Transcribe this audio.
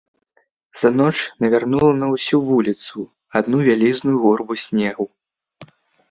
За ноч навярнула на ўсю вуліцу адну вялізную гурбу снегу.